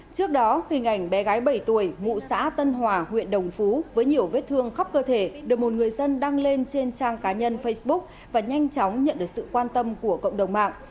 trước đó hình ảnh bé gái bảy tuổi ngụ xã tân hòa huyện đồng phú với nhiều vết thương khắp cơ thể được một người dân đăng lên trên trang cá nhân facebook và nhanh chóng nhận được sự quan tâm của cộng đồng mạng